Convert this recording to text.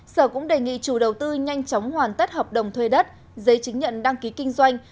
sở cũng đề nghị chủ đầu tư nhanh chóng hoàn tất hợp đồng thuê đất giấy chứng nhận đăng ký kinh doanh